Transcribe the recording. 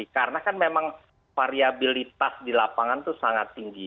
karena kan memang variabilitas di lapangan itu sangat tinggi